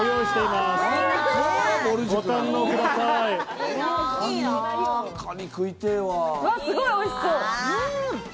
すごいおいしそう。